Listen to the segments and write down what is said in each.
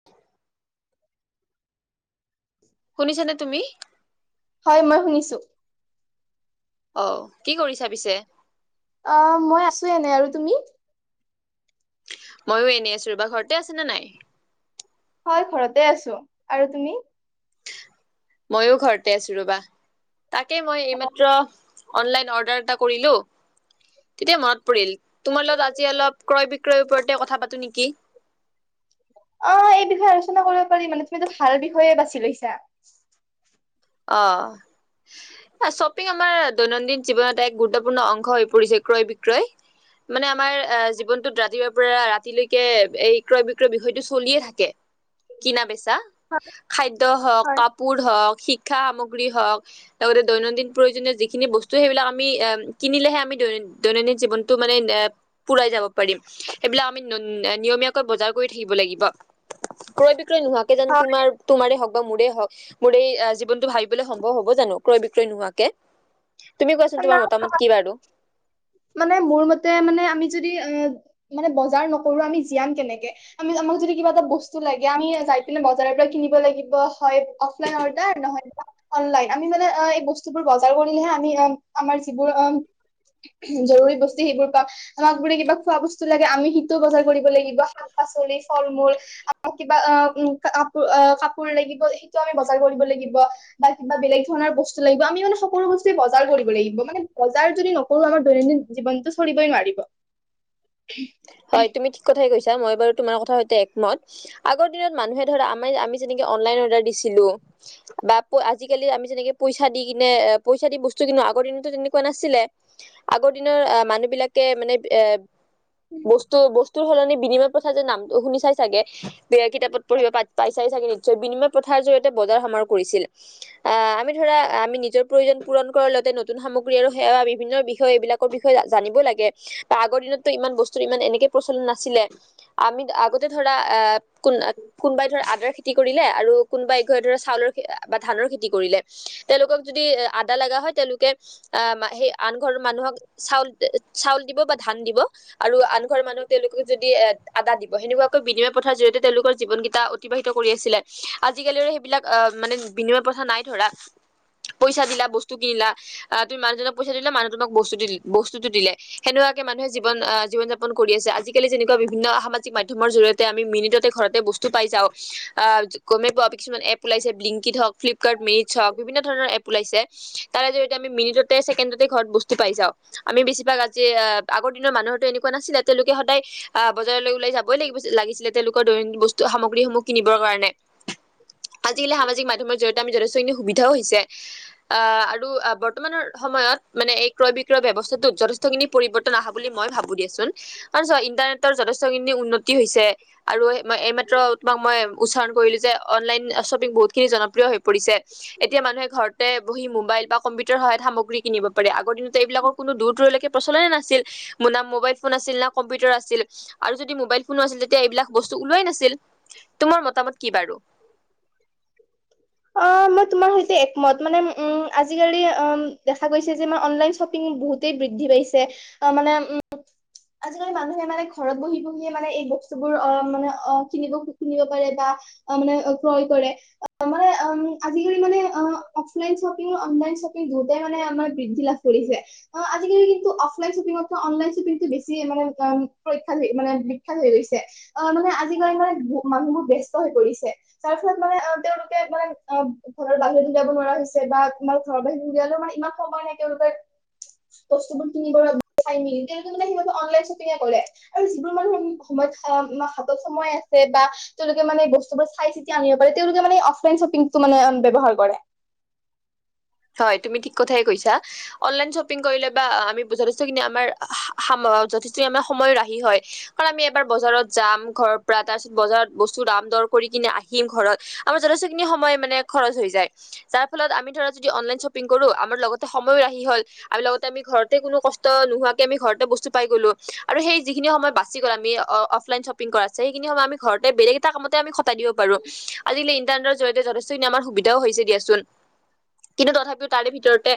[inaudible] [inaudible] শুনিছনে তুমি? হয়, মই শুনিছোঁ। অ' কি কৰিছা পিছে? অঁ, ময় আছো এনেই, আৰু তুমি? মইয়ো এনেই আছো ৰবা ঘৰতে আছে নে নাই? হয়, ঘৰতে আছো আৰু তুমি? ময়ো ঘৰতে আছো ৰবা। তাকে মই এইমাত্ৰ অনলাইন অৰ্ডাৰ এটা কৰিলো, - তেতিয়া মনত পৰিল তোমাৰ লগত আজি অলপ ক্ৰয় বিক্ৰয়ৰ ওপৰতে কথা পাতো নিকি? অ, এই বিষয়ে আলোচনা কৰিব পাৰি মানে তুমিতো ভাল বিষয়ে বাছি লৈছা। অঁ' শ্বপিং আমাৰ দৈনন্দিন জীৱনত এক গুৰুত্বপূৰ্ণ অংশ হৈ পৰিছে ক্ৰয় বিক্ৰয়। মানে আমাৰ জীৱনটোত ৰাতিয়ুৱাৰ পৰা ৰাতিলৈকে এই ক্ৰয় বিক্ৰয় বিষয়টো চলিয়ে থাকে। কিনা বেচা, হয় খাদ্য হওক হয় কাপোৰ হওক শিক্ষা সামগ্ৰী হক- লগতে দৈনন্দিন প্ৰয়োজনীয় যিখিনি বস্তু সেইবিলাক আমি কিনিলেহে আমি দৈন দৈনন্দিন জীৱনটো মানে- পুৰাই যাব পাৰিম। এইবিলাক আমি নিয়মীয়াকৈ বজাৰ কৰি থাকিব লাগিব। ক্ৰয় বিক্ৰয় নোহোৱাকে যোনো হয়। তোমাৰ, তোমাৰে হওঁক বা মোৰে হওঁক মোৰেই আজি। জীৱনো ভাবিবলে সম্ভ হ'ব জানো, ক্ৰয় বিক্ৰয় নোহাকে। ন, মানে মোৰ মতে মানে আমি যদি অ। মানে বজাৰ নকৰোঁ আমি জীয়াম কেনেকে। আমি আমাক যদি কিবা এটা বস্তু লাগে আমি পিনে বজাৰৰ পৰা কিনিব লাগিব। হয় অহ। লন অৰ্ডাৰ নহয় অনলাইন আমি মানে অ এই বস্তুবোৰ বজাৰ কৰিলেহে আমি--এ। আমাৰ যিবোৰ জৰুৰী বস্তু সেইবোৰ আমাক বোৰে কিবা খোৱা বস্তু লাগে আমি। শীটো বজাৰ কৰিব লাগিব শাক-পাচলি ফল মূল। আকৌ কিবা অ উ কাপোৰ, কাপোৰ লাগিব সেইটো আমি বজাৰ কৰিব লাগিব। বা কিবা বেলেগ ধৰণৰ বস্তু লাগিব, আমি মানে সকল ব্তুে বজাৰ কৰিম। লিব মানে বজাৰ যদি নকৰো আমাৰ দৈনন্দিন জীৱনতটো চলিবই নোৱাৰিব। হয়, তুমি ঠিক কথাই কৈছা মই বাৰু তোমাৰ কথা সৈতে একমত। আগৰ দিনত মানুহে ধৰা আম আমি যেনেকে অনলাইন অৰ্ডাৰ দিছিলোঁ। বা আজিিকালি আমি যেনেকে পইচা দি কিনে, পইচা দি বস্তু কিন্তু আগৰ দিনতো তেনেকুৱা নাছিলে। আগৰ দিনৰ আহ মানুহ বিলাকে মানে এ। বস্তু বস্তুৰ সলনি বিনিময় প্ৰথাাৰ যে নামটো শুনি চাই চাগে। বেয়া কিতাপত পঢ়িব প পাইছাই চাগে নিশ্চয়, বিনিময় প্ৰথাৰ জৰিয়তে বজাৰ সমামাৰ কৰিছিল। অ, আমি ধৰা আমি নিজৰ প্ৰয়োজন পূৰণ কৰাৰ লগতে নতুন সামগ্ৰী আৰু সেৱা বিভিন্ন বিষয় এইবিলাক। বিষয়ে জানিব লাগে, বা আগৰ দিনতো ইমান বস্তু এনেকে নাছিলে। আমি আগতে ধৰা আহ কোন। কোনোবাই ধৰ আদাৰ খেতি কৰিলে আৰু কোনোবাই ঘ ধৰা চাউলৰ বা ধানৰ খেতি কৰিলে। তেওঁলোকক যদি আদা হয় তেওঁলোকে। আহ মা সেই আন ঘৰৰ মানুহক চাউল দ চাউল দিব বা ধান দিব। আৰু আন ঘৰৰ মানুহক তেওঁলোকক যদি এ আৰু আন ঘৰ মানুহ তেওঁলোকে যদি আদা দিব সেনেকুৱাকৈ বিনিময় পথাৰ জৰিয়তে তেওঁলোকৰ জীৱন কিটা অতিবাহিত কৰি আছিলে। আজিকালি আৰু সেইবিলাক আহ মানে বিনিময় প্ৰথা নাই ধৰা। পইচা দিলা বস্তু কিনিলা। আহ তুমি মানুজনক পইচাটো দিলা মানুহ তোক বস্তু দিল বস্তুটো দিলে সেনেকুৱাকে মানুহে জীৱন আ। জীৱন যাপন কৰি আছে আজিকালি যেনেকুৱা বিভিন্ন সামাজিক মাধ্যমৰ জৰিয়তে আমি মিনিটতে ঘৰতে বস্তু পাই যাওঁ। আহ গমে পোৱা কিছুমান এপ ওলাইছে ব্লিংকিত হওক ফ্লিপকাৰ্ট মিটছ হওক বিভিন্ন ধৰণৰ এপ ওলাইছে। তাৰে জৰিয়তে আমি মিনিটতে ছেকেণ্ডতে ঘৰত বস্তু পাই যাওঁ। আমি বেছিভাগ আজি এ আগৰ দিনৰ মানুহৰটো এনেকুৱা নাছিলে তেওঁলোকে সদায়। আহ বজাৰলৈ ওলাই যাবই লাগিব চিলে লাগিছিলে তেওঁলোকৰ দৈন বস্তু সামগ্ৰীসমূহ কিনিবৰ কাৰণে। আজিকালি সামাজিক মাধ্যমৰ জৰিয়তে আমি যথেষ্টখিনি সুবিধাও হৈছে আ আৰু বৰ্তমানৰ সময়ত মানে এই ক্ৰয় বিক্ৰয় ব্যৱস্থাটো যথে থ খিনি পৰিৱৰ্তন আহা বুলি মই ভাবো দিয়াচোন আৰু চোৱা ইণ্টাৰনেটৰ যথেষ্টখিনি উন্নতি হৈছে। আৰু এ এইমাত্ৰ তোমাক মই উচ্চাৰণ কৰিলো যে অনলাইন শ্বপিং বহুতখিনি জনপ্ৰিয় হৈ পৰিছে এতিয়া মানুহে ঘৰতে বহি মোবাইল বা কম্পিউটাৰ সহায়ত সামগ্ৰী কিনিব। পাৰে আগৰ দিনত এইবিলাকৰ কোনো দূৰ দূৰলৈকে প্ৰচলনে নাছিল মোনা। ফোন আছিল না কম্পিউটাৰ আছিল আৰু যদি মোবাইল ফোনো আছিল তেতিয়া এইবিলাক বস্তু ওলোৱাই নাছিল। তোমাৰ মতামত কি বাৰু। অ' মই তোমাৰ হৈতে এক মত মানে ম আজি কালি এম দেখা গৈছে যে মই অনলাইন চপিং। পিং বহুতেই বৃদ্ধি পাইছে মানে উ। আজিকালি মানুহে মানে ঘৰত বহি বহিয়ে মানে এই বস্তুবোৰ অ' মানে অ' কিনিব কিনিব পাৰে বা। অ' মানে অ' ক্ৰয় কৰে। অ' মই অ' আজিকালি মানে অ' অফলাইন শ্বপিং অনলাইন শ্বপিং দুটাই মানে আমাৰ বৃদ্ধি লাভ। কৰিছে অ' আজিকালিটো অফলাইন চপিংৰ পৰা অনলাইন বেছিয়ে মানে প্ৰখ্যাত মানে বিখ্যাত হৈ গৈছে। অ', মানে আজিকালি মানে মানুহবোৰ ব্যস্ত হৈ পৰিছে। তাৰপিছত মানে আ তেওঁলোকে মানে অব ঘৰ বাহিৰত উলিয়াব নোৱাৰা হৈছে বা তোমাৰ ঘৰৰ বাহিৰৰে উলিয়ালেও মানে ইমান সময় নাই তেওঁলোকে বস্তুবোৰ কিনিবৰ বাবে চাই মেলি তেওঁলোকে মানে সিহঁতে অনলাইন শ্বপিঙে কৰে। আৰু যিবোৰ মানুহ সময়ত অ' হাতত সময় আছে বা তেওঁলোকে মানে বস্তুবোৰ চাই চিতি আনিব পাৰে তেওঁলোকে মানে অফলাইন শ্বপিংটো মানে ব্যৱহাৰ কৰে। হয়, তুমি ঠিক কথাই কৈছা। অনলাইন শ্বপিং কৰিলে বা আমি যথেষ্টখিনি আমাৰ সা-সা যথেষ্টখিনি আমাৰ সময় ৰাহি হয়। কাৰণ আমি এবাৰ বজাৰত যাম ঘৰৰ পৰা তাৰ পিছত বজাৰত বস্তু দাম দৰ কৰি কিনে আহি হিম ঘৰত আমাৰ যথেষ্টখিনি সময় মানে খৰচ হৈ যায়। যাৰ ফলত আমি ধৰ যদি অনলাইন শ্বপিং কৰো আমাৰ লগতে সময়ো ৰাহি হ'ল লগ আমি লগতে আমি ঘৰতে কোনো কষ্ট ত নোহোৱাকে আমিৰ ঘৰতে বস্তু পাই গ'লো আৰু সেই যিখিনি সময় বা চি গ'ল আমি অ' অফলাইন শ্বপিং কৰাতছে সেইখিনি সময় আমি ঘৰতে বেলেগ এটা কামতে আমি খটাই দিব পাৰোঁ। আজিকালি ইটাৰনেটৰ জৰিয়তে যথেষ্টখিনি আমাৰ সুবিধাও হৈছে দিয়াচোন। কিন্তু তথাপিও তাৰে ভিতৰতে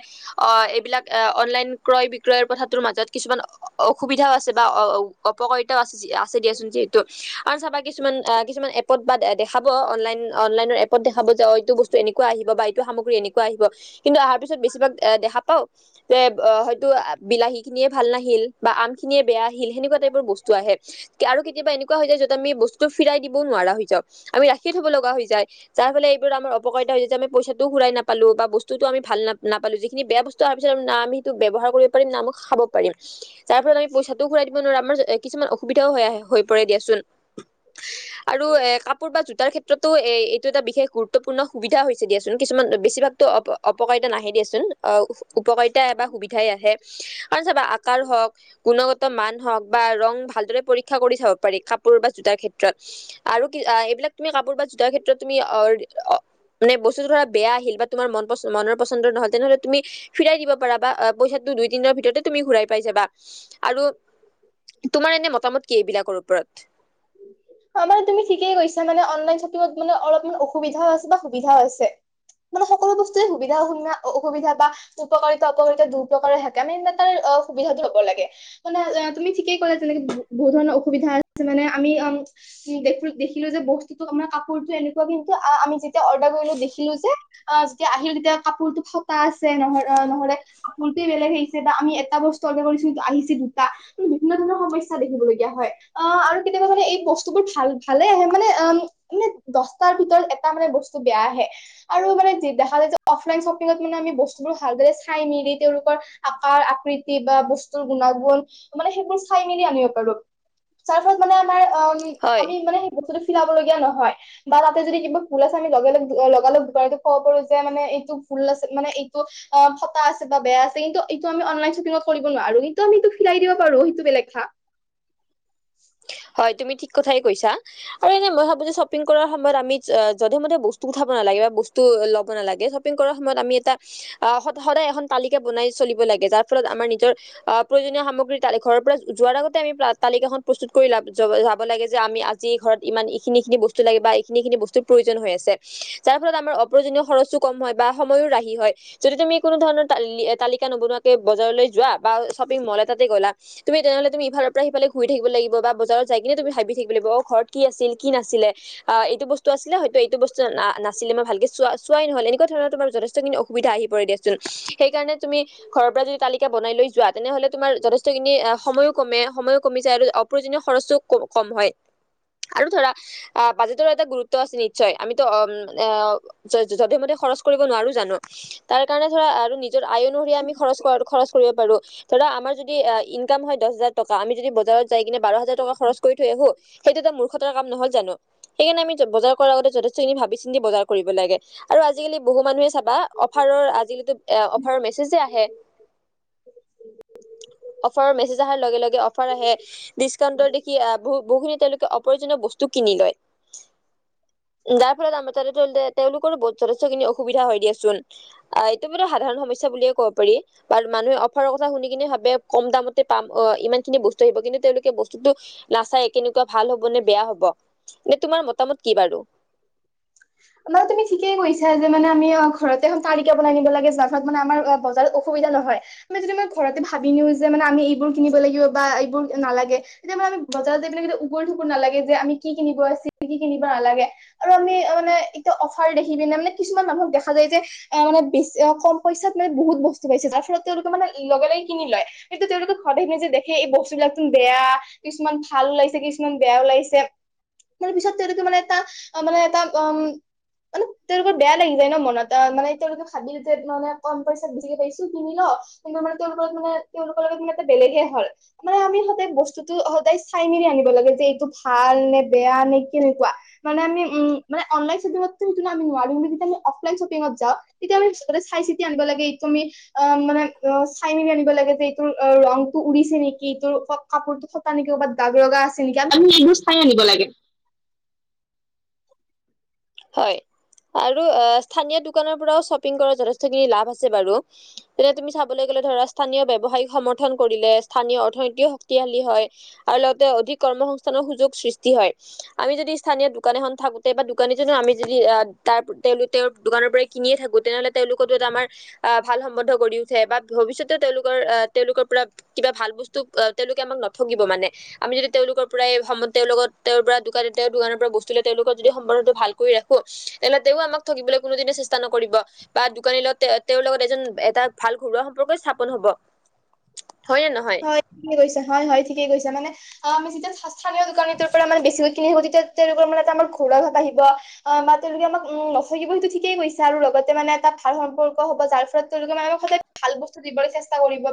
অ' এইবিলাক অনলাইন ক্ৰয় বিক্ৰয়ৰ কথাটোৰ মাজত কিছুমান অ' অসুবিধাও আছে বা অ-অ-অপকাৰিতাও আছে। চে আছে দিয়া চুন যিহেতু আৰু চাবা কিছুমান আ কিছুমান এপত বা দে দেখা পোৱা অনলাইন অনলাইনৰ এপ পত দেখাব যে অ' এইটো বস্তু এনেকুৱা আহিব বা এ এইটো সামগ্ৰী এ কোৱা আহিব। কিন্তু অহাৰ পিছত বেছিভাগ দেখা পাওঁ যে হয়তো আ বিলাহীখিনিয়ে ভাল নাহিল বা আমখিনিয়ে বেয়া আহিল সেনেকুৱা টাইপৰ বস্তু আহে। কি আৰু কেতিয়াবা এনেকুৱা হৈ যায় য'ত আমি বস্তু ফিৰাই দিবও নোৱাৰা হৈ যাওঁ। আমি ৰাখি থ'ব লগা হৈ যায় যাৰ ফালে এইবোৰ আম অপকাৰিতা হৈ যায় আমি পইচাটো ঘূৰাই নাপা পালো বা বস্তুটো আমি ভাল নাপ নাপালো যিখিনি বেয়া বস্তু আহাৰ পিছত না আমি সেইটো ব্যৱহাৰ কৰি কৰি না মই খাব পাৰিম। তাৰ ফলত আমি পইচাটোও ঘূৰাই দিব নোৱাৰো আমাৰ কিছুমান অসুবিধাও হৈ আহে হৈ পৰে দিয়াচোন। আৰু এ কাপোৰ বা জোতাৰ ক্ষেত্ৰত ক্ষেত্ৰতো এ এইটো এটা বিশেষ গুৰুত্বপূৰ্ণ সুবিধা হৈছে দিয়াচোন। কিছুমান বেছিভাগতো অপ-অপকাৰিতা নাহে দিয়েচোন উপকাৰিতা এ বা সুবিধাই আহে দিয়াচোন। আৰু চাবা আকাৰ হওঁক গুণগত মান হওঁক বা ৰং ভালদৰে পৰীক্ষা কৰি চাব পাৰি কাপোৰ বা জোতাৰ ক্ষেত্ৰত। তুমি কাপোৰ বা জোতাৰ ক্ষেত্ৰত তুমি অ' মানে বস্তুটো ধৰা বেয়া আহিল। বা মন পচন মনৰ পচন্দৰ নহয় হেনেহ'লে তুমি ফিৰাই দিব পাৰাবা পইচাটো দুইদিনৰ ভিতৰতে তুমি ঘূৰাই পাই যাবা আৰু তোমাৰ এনে মতামত কি এইবিলাকৰ ওপৰত? অ', মানে তুমি ঠিকেই কৈছা মানে অনলাইন শ্বপিঙত মানে অলপমান অসুবিধাও আছে বা সুবিধাও আছে। মানে সকলো বস্তুেই সুবিধা অসুবিনা অসুবিধা বা উপকাৰিতা অপকাৰিতা দুইপ্ৰকাৰে থাকে মানে তাৰ অ' সুবিধাটো ল'ব লাগে। মানে তুমি ঠিকেই ক'লা যেনেকে বহুত ধৰণৰ অসুবিধা আছে মানে আমি অ' উম, দেখিলো যে বস্তুতো আাৰ কাপোৰতটো এনেকুৱা কিন্তু আমি যেতিয়া অৰ্ডাৰ কৰিলো দেখিলো যে। অ', যেতিয়া আহিল তেতিয়া কাপোৰটো ফটা আছে নহ'ল অ' নহ'লে কাপোৰটোৱে বেলেগ আহিছে বা আমি এটা বস্তু আনিব দিছো আহিছে দুটা। বিভিন্ন ধৰণৰ সমস্যা দেখিবলগীয়া হয়। অ', আৰু কেতিয়াবা মানে এই বস্তুবোৰ খাই ভালে আহে, মানে আম মানে দচটাৰ ভিতৰত এটা মানে বস্তু বেয়া আহে। আৰু মানে দেখা যায় যে অফলাইন শ্বপিঙত মানে আমি বস্তুবোৰ ভালদৰে চাই মেলি তেওঁলোকৰ আকাৰ আকৃতি বা বস্তুৰ গুণাগুণ। মানে সেইবোৰ চাই মেলি আনিব পাৰো, যাৰ ফলত মানে আমাৰ অম হয় আমি মানে বস্তুটো চিলাব লগীয়া নহয়। বা তাতে যদি কিবা ফুল আছে, আমি লগে লগে অ', লগা লগ ঘূৰাই ক'ব পাৰো যে মানে এইটো ফুল আছে মানে এইটো অ', ফটা আছে বা বেয়া আছে, কিন্তু এইটো আমি অনলাইন শ্বপিঙত কৰিব নোৱাৰো, আৰু কিন্তু আমি এইটো চিলাই দিব পাৰো, সেইটো বেলেগ থা হয়, তুমি ঠিক কথাই কৈছা। আৰু এনে মই ভাবো যে শ্বপিং কৰাৰ সময়ত আমি য-যধে মধে বস্তু উঠাব নালাগে বা বস্তু ল'ব নালাগে। শ্বপিং কৰা সময়ত আমি এটা আ, স-সদায় এখন তালিকা বনাই চলিব লাগে, যাৰ ফলত আমাৰ নিজৰ আ, প্ৰয়োজনীয় সামগ্ৰী তালি ঘৰৰ পৰা যোৱাৰ আগতে আমি প্ৰা, তালিকাখন প্ৰস্তুত কৰি লা যব-যাব লাগে, যে আমি আজি ঘৰত ইমান এইখিনি এইখিনি বস্তু লাগে বা এইখিনি এইখিনি বস্তুৰ প্ৰয়োজন হৈ আছে। যাৰ ফলত আমাৰ অপ্ৰয়জনীয় খৰচো কম হয় বা সময়ো ৰাহি হয়, যদি তুমি কোনো ধৰণৰ তাল তালিকা নবনোৱাকে বজাৰলৈ যোৱা বা শ্বপিং মল এটাতে গ'লা- তুমি তেনেহ'লে তুমি ইফালৰ পৰা সিফালে ঘূৰি থাকিব লাগি ব বা বজাৰত যাই কিনে তুমি ভাবি থাকিব লাগিব, অ', ঘৰত কি আছিল, কি নাছিলে? আ, এইটো বস্তু আছিলে, হয়টো এইটো বস্তু না-নাছিলে, মই ভালকে চোৱা-চোৱাই নহলে, এনেকুৱা ধৰণৰ তোমাৰ যথেষ্ট খিনি অসু সুবিধা আহি পৰে দিয়া চোন, সেইকাৰণে তুমি ঘৰৰ পৰা যদি তালিকা বনাই লৈ যোৱা, তেনেহ'লে তোমাৰ যথেষ্টখিনি অ', সময়ো কমে সময়ো কমি যায় আৰু অপ প্ৰচো ক-কম হয় আৰু ধৰা আ বাজেটৰো এটা গুৰুত্ব আছে, নিশ্চয় আমিতো অম, আ য-যধে মধে খৰচ কৰিব নোৱাৰো জানো, তাৰ কাৰণে ধৰা আৰু নিজৰ আয় অনুসৰি আমি খৰচ কৰাটো খৰচ কৰিব পাৰো, ধৰা আমাৰ যদি ইনকাম হয়, দহহাজাৰ টকা আমি যদি বজাৰত যাই কিনে বাৰ হাজাৰ টকা খৰচ কৰি থৈ আহো, সেইটো এটা মূৰ্খতাৰ কাম নহয় জানো। সেইকাৰণে আমি বজাৰ কৰাৰ আগত যথেষ্টখিনি ভাবি চিন্তি কৰি বজাৰ কৰিব লাগে। আৰু আজিকালি বহু মানুহে চাবা অফাৰৰ আজিলৈকে অ', অফাৰৰ মেছজজে আহে। অফাৰৰ মেছেজ অহাৰ লগে লগে অফাৰ আহে। ডিচকাউণ্টৰ দেখি আ বহু বহু খিনি তেওঁলোকে অপ্ৰজনীয় বস্তু কিনি লয়। যাৰ ফলত আমাৰ [unintelligible] তেওঁলোকৰো বত যথেষ্টখিনি অসুবিধা হয়, দিয়াচোন, আ, এইটো এটা সাধাৰণ সমস্যা বুলিয়ে ক'ব পাৰি। বা মানুহে অফাৰৰ কথা শুনি কিনে ভাবে কম দামতে পাম অ', ইমান খিনি বস্ [unintelligible] কিন্তু তেওঁলোকে বস্তুটো নাচায় কেনেকুৱা ভাল হ'ব নে বেয়া হ'ব, এনে তোমাৰ মতামত কি বাৰু? মানে তুমি ঠিকেই কৈছা, যে মানে আমি অ', ঘৰতে তালিকা বনাই নিব লাগে যাৰ ফলত মানে আমাৰ অ', বজাৰত অ' অসুবিধা নহয়, মানে যদি মই ঘৰতে ভাবি নিওঁ যে মানে আমি এইবোৰ কিনিব লাগিব বা এইবোৰ নালাগে। এতিয়া মানে আমি বজাৰত যাই পিনে এইবিলাক উগুল থুগুল নালাগে যে আমি কি কিনিব আছে, কি কি কিনিব নালাগে, আ এ-এতিয়া অফাৰ দেখি পিনে, মানে কিছুমান মানুহক দেখা যায় যে এওঁ মানে বেছি অ', কম পইচাত মানে বহুত বস্তু পাইছে, যাৰ ফলত তেওঁলোকে মানে লগে লগে কিনি লয়। এইটো তেওঁলোকে ঘৰত আহিপিনে যে দেখে, এই বস্তুবিলাক চোন বেয়া। কিছুমান ভাল ওলাইছে, কিছুমান বেয়া ওলাইছে, মানে তাৰ পিছত তেওঁলোকে মানে এটা অ', মানে এটা উম মানে তেওঁলোকৰ বেয়া লাগি যায় ন মনত, আ, মানে তেওঁলোকে ভাবিল যে মানে কম পইচাত বেছিকে পাইছো, কিনি ল কিন্তু মানে তেওঁ লগত মানে তেওঁলোকৰ লগত মানে এটা বেলেগে হ'ল। মানে আমি সদায় বস্তুতটো সদায় চাই মেলি আনিব লাগে যে এইটো ভাল নে বেয়া নে কেনেকুৱা। মানে আমি উম মানে অনলাইন শ্বপিংতটো সেইটো আমি নোৱাৰো, তেতিয়া আমি অফলাইন শ্বপিংত যাওঁ। তেতিয়া আমি চাই চিতি আনিব লাগে এইটো আমি। মানে চাই মেলি আনিব লাগে যে তোৰ ৰঙটো উৰিছে নেকি, তোৰ কাপোৰটো ফটা নেকি, ক'ৰবাত দাগ লগা আছে নেকি এইবোৰ আমি চাই আনিব লাগে। হয় আৰু স্থানীয় দোকানৰ পৰাও শ্বপিং কৰাত যথেষ্টখিনি লাভ আছে বাৰু। এতিয়া তুমি চাবলৈ গ'লে ধৰা স্থানীয় ব্যৱসায়ক সমৰ্থন কৰিলে স্থানীয় অৰ্থনীতিও শক্তিশালী হয়। আৰু লগতে অধিক কৰ্মসস্থানৰ সুযোগ সৃষ্টি হয় আমি যদি স্থানীয় দোকান এখন থাকোতে বা দোকানী [unintelligible] আমি যদি আহ তাৰ তেওঁলোক, তেওঁৰ দোকানৰ পৰাই কিনিয়ে থাকো তেনেহ'লে তেওঁলোকৰতো এটা আমাৰ আহ, ভাল সম্বন্ধ গঢ়ি উঠি উঠে বা ভৱিষ্যতে তেওঁলোকৰ আহ, তেওঁলোকৰ পৰা কিবা ভাল বস্তু তেওঁলোকে আমাক নথগিব মানে। আমি যদি তেওঁলোকৰ পৰা তেওঁৰ লগত তেওঁৰ পৰা দোকানে তেওঁৰ দোকানৰ পৰা বস্তু লওঁ, তেওঁলোকৰ যদি সম্বন্ধটো ভাল কৰি ৰাখো তেনেহ'লে তেওঁ আমাক ঠগিবলৈ কোনোদিনে চেষ্টা নকৰিব। বা দোকানী লগত তেওঁৰ লগত এজন এটা ভাল ঘৰুৱা সম্পৰ্কই স্থাপন হ'ব। হয় নে নহয়? হয় ঠিকে কৈছা, হয় হয়, ঠিকেই কৈছা। মানে অ' আমি যেতিয়া স্থানীয় দোকানীটোৰ পৰা মানে বেছিকে [unintelligible] তেতিয়া তেওঁলোকৰ মানে আমাৰ এটা ঘৰুৱা ভাব আহিব। অ' বা তেওঁলোকে আমাক উম নথগিব সেইটো ঠিকেই কৈছা আৰু লগতে মানে এটা ভাল সম্পৰ্ক হ'ব যাৰ ফলত তেওঁলোকে মানে আমাক সদায় ভাল বস্তু দিবলৈ চেষ্টা কৰিব বা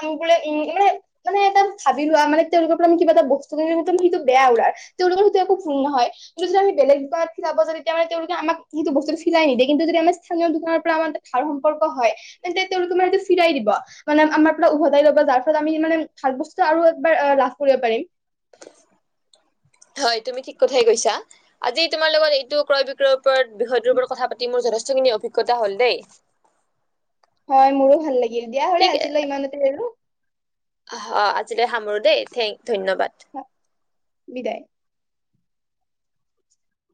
আমাক বোলে উম মানে মানে এটা ভাবি লোৱা মানে তেওঁলোকৰ পৰা আমি কিবা এটা বস্তু কিনিলো কিন্তু সেইটো বেয়া ওলাল তেওঁলোকৰ সেইটো একো ভূল নহয়। কিন্তু যদি আমি বেলেগ দোকানত ফিৰাব যাওঁ তেওঁলোকে আমাক সেইটো বস্তু ফিৰাই নিদিয়ে কিন্তু যদি আমি স্থানীয় দোকানৰ পৰা আমাৰ ভাল সম্পৰ্ক হয় তেন্তে তেওঁলোকে মানে সেইটো ফিৰাই দিব মানে আমাৰ উভতাই ল'ব যাৰ ফলত আমি মানে ভাল বস্তু আৰু একবাৰ লাভ কৰিব পাৰিম। হয় তুমি ঠিক কথাই কৈছা। আজি তোমাৰ লগত এইটো ক্ৰয় বিক্ৰয়ৰ ওপৰত বিষয়টোৰ ওপৰত কথা পাতি মোৰ যথেষ্টখিনি অভিজ্ঞতা হ'ল দেই। হয় মোৰো ভাল লাগিল দিয়া হ'লে আজিলৈ ইমানতে এৰো। অ' আজিলৈ সামৰো দেই, থেংক- ধন্যবাদ। বিদায়।